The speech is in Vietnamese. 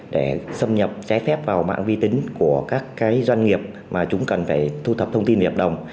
để xâm nhập trái phép vào mạng vi tính của các doanh nghiệp mà chúng cần phải thu thập thông tin hợp đồng